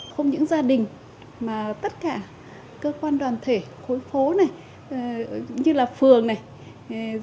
không những gia đình mà tất cả cơ quan đoàn thể khối phố này như là phường này